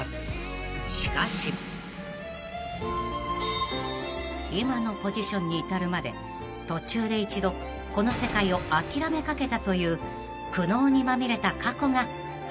［しかし］［今のポジションに至るまで途中で一度この世界を諦めかけたという苦悩にまみれた過去がありました］